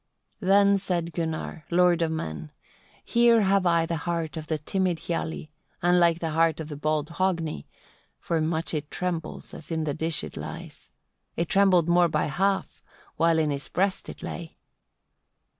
23. Then said Gunnar, lord of men: "Here have I the heart of the timid Hialli, unlike the heart of the bold Hogni; for much it trembles as in the dish it lies: it trembled more by half, while in his breast it lay."